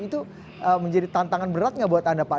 itu menjadi tantangan berat nggak buat anda pak